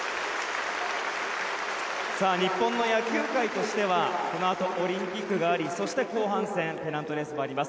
日本の野球界としてはこのあとオリンピックがありそして後半戦ペナントレースもあります。